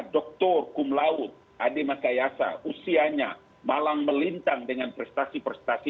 doktor kumlaut adi makayasa usianya malang melintang dengan prestasi prestasi